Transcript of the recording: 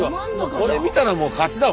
これ見たらもう勝ちだわ。